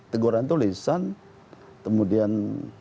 teguran itu lisan kemudian